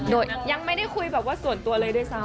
โดยยังไม่ได้คุยส่วนตัวเลยด้วยซ้ำค่ะ